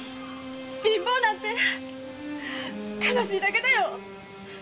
貧乏なんて悲しいだけよ！